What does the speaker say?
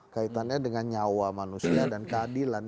kaitannya dengan nyawa manusia dan keadilan